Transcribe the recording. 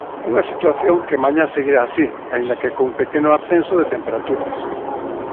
Unha situación que mañá seguirá así, aínda que cun pequeno ascenso de temperaturas.